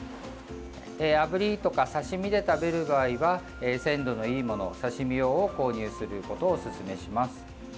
あぶりとか刺身で食べる場合は鮮度のいいもの刺身用を購入することをおすすめします。